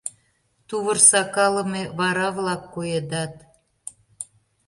Тувыр сакалыме вара-влак коедат.